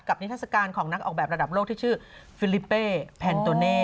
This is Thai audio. นิทัศกาลของนักออกแบบระดับโลกที่ชื่อฟิลิปเป้แพนโตเน่